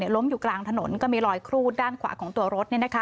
ล้มอยู่กลางถนนก็มีรอยครูดด้านขวาของตัวรถ